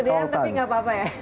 agak ke postponed tapi gpp ya